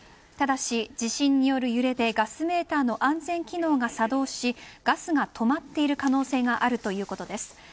ただし、地震による揺れでガスメーターの安全機能が作動しガスが止まっている可能性があるそうです。